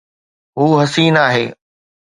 هو حسين آهي